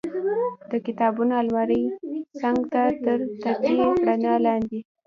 د کتابونو المارۍ څنګ ته تر تتې رڼا لاندې.